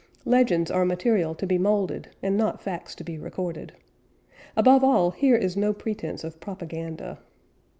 Legends are material to be moulded, and not facts to be recorded. Above all here is no pretence of propaganda.